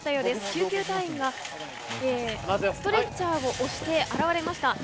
救急隊員がえーストレッチャーを押して現れました」